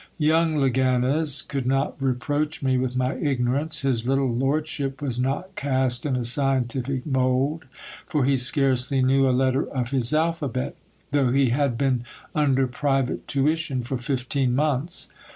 Young Leganez could not reproach me with my ignorance, his little lordship was not cast in a scientific mould, for he scarcely knew a letter of his alphabet, though he had been under private tuition for fifteen months.